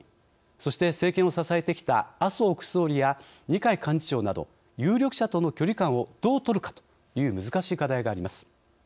そして、政権を支えてきた麻生副総理や二階幹事長など有力者との距離感をどう取るかという難しい課題があります。